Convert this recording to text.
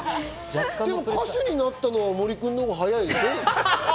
でも歌手になったのは、森君のほうが早いでしょ。